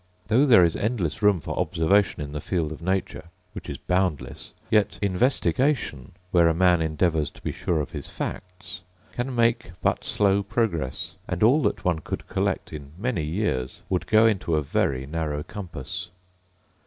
Though there is endless room for observation in the field of nature, which is boundless, yet investigation (where a man endeavours to be sure of his facts) can make but slow progress; and all that one could collect in many years would go into a very narrow compass.